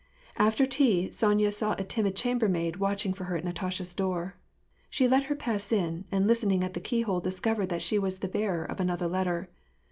After tea, Sonya saw a timid chambermaid watching for her at Natasha's door. She let her pass in, and listening at the keyhole discovered that she was the bearer of another letter.